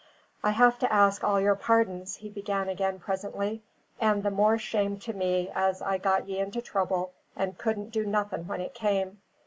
"I have to ask all your pardons," he began again presently, "and the more shame to me as I got ye into trouble and couldn't do nothing when it came.